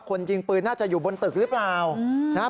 คนยิงปืนน่าจะอยู่บนตึกหรือเปล่า